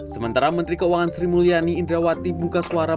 sementara menteri keuangan sri mulyani indrawati buka suara